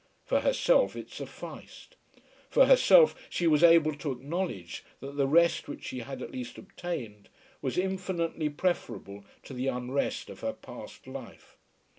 For herself it sufficed. For herself she was able to acknowledge that the rest which she had at least obtained was infinitely preferable to the unrest of her past life.